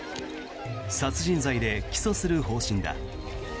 殺人罪で起訴する方針だ。